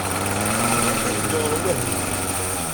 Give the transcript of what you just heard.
Iyyamt ad neddu ɣer umahil.